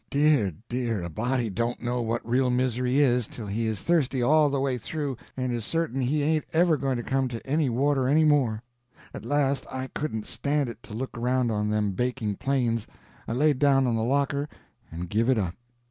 Dear, dear, a body don't know what real misery is till he is thirsty all the way through and is certain he ain't ever going to come to any water any more. At last I couldn't stand it to look around on them baking plains; I laid down on the locker, and give it up.